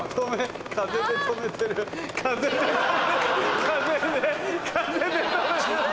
風で止めてる風で風で止めてる。